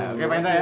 oke pak intra ya